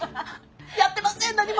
やってません何も！